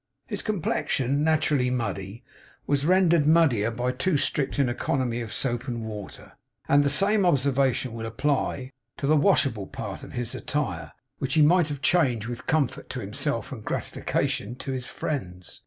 His complexion, naturally muddy, was rendered muddier by too strict an economy of soap and water; and the same observation will apply to the washable part of his attire, which he might have changed with comfort to himself and gratification to his friends.